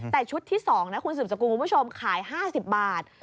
แต่ชุดที่๒นะคุณสืบสกุลคุณผู้ชมขาย๕๐บาท